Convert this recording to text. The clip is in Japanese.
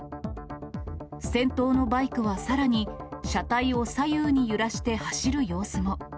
先頭のバイクはさらに、車体を左右に揺らして走る様子も。